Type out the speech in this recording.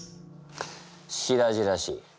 白々しい。